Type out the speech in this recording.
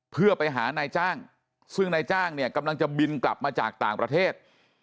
เพื่อไปหานายจ้างซึ่งนายจ้างเนี่ยกำลังจะบินกลับมาจากต่างประเทศ